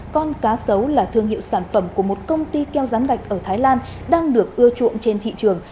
con cá sấu là thương hiệu sản phẩm của một công ty keo rán gạch ở thái lan đang được ưa chuộng trên thị trường